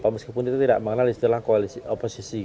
meskipun itu tidak mengenal istilah koalisi oposisi